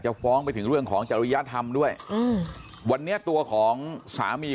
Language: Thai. ฟ้องไปถึงเรื่องของจริยธรรมด้วยอืมวันนี้ตัวของสามี